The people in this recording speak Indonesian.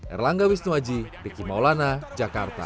erlangga wisnuaji riki maulana jakarta